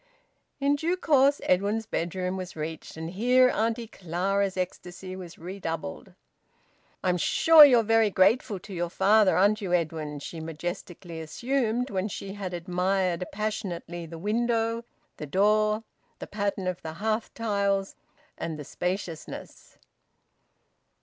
In due course Edwin's bedroom was reached, and here Auntie Clara's ecstasy was redoubled. "I'm sure you're very grateful to your father, aren't you, Edwin?" she majestically assumed, when she had admired passionately the window, the door, the pattern of the hearth tiles, and the spaciousness.